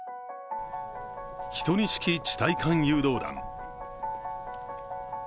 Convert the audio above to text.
１２式地対艦誘導弾。